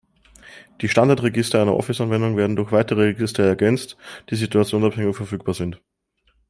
Die Standard-Register einer Office-Anwendung werden durch weitere Register ergänzt, die situationsabhängig verfügbar sind.